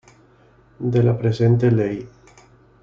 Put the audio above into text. De la presente Ley.